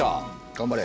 頑張れ。